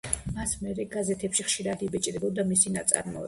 მას მერე გაზეთებში ხშირად იბეჭდებოდა მისი ნაწარმოებები.